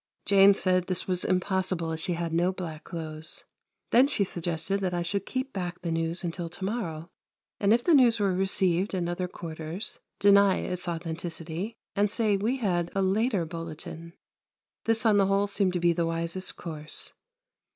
Jane said this was impossible as she had no black clothes. Then she suggested that I should keep back the news until to morrow, and if the news were received in other quarters, deny its authenticity, and say we had a later bulletin. This on the whole seemed to be the wisest course.